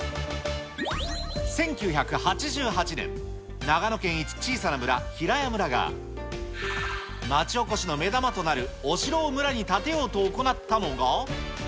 １９８８年、長野県にある小さな村、平谷村が、町おこしの目玉となるお城を村に建てようと行ったのが。